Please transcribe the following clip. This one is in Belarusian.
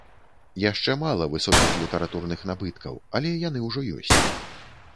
Яшчэ мала высокіх літаратурных набыткаў, але яны ўжо ёсць.